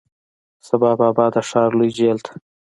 سبا بابا د ښار لوی جیل ته،